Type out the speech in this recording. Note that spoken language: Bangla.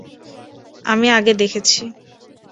আমি আগে দেখেছি!